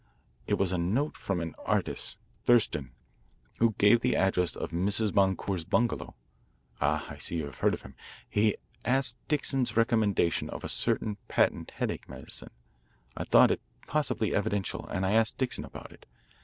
"It was a note from an artist, Thurston, who gave the address of Mrs. Boncour's bungalow ah, I see you have heard of him. He asked Dixon's recommendation of a certain patent headache medicine. I thought it possibly evidential, and I asked Dixon about it.